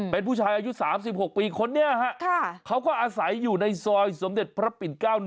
เป็นผู้ชายอายุ๓๖ปีคนนี้ฮะเขาก็อาศัยอยู่ในซอยสมเด็จพระปิ่น๙๑